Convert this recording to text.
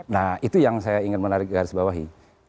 nah itu yang saya ingin menarik garis bawahi